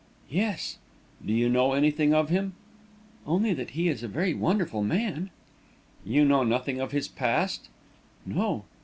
"Yes." "Do you know anything of him?" "Only that he is a very wonderful man." "You know nothing of his past?" "No."